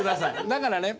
だからね